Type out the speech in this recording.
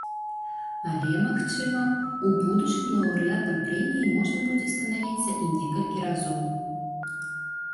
Але, магчыма, у будучым лаўрэатам прэміі можна будзе станавіцца і некалькі разоў.